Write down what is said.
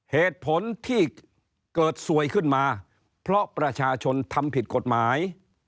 เหตุผลที่เกิดสวยขึ้นมาเพราะประชาชนทำผิดกฎหมาย